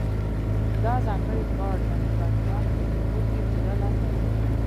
دا ځانګړی ګارډ د امپراتورانو په سقوط کې پوره لاس درلود